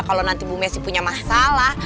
kalau nanti bu messi punya masalah